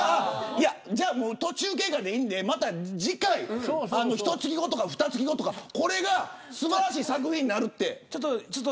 じゃあ、途中経過でいいんでまた次回１カ月後と２カ月後とか、これが素晴らしい作品になるって。